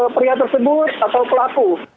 pria tersebut atau pelaku